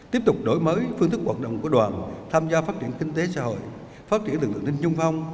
tiếp tục đổi mới phương thức hoạt động của đoàn tham gia phát triển kinh tế xã hội phát triển lực lượng ninh dung phong